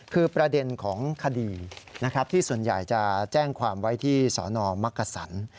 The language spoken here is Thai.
คือประเด็นของคดีนะครับที่ส่วนใหญ่จะแจ้งความไว้ที่สนมักกษัน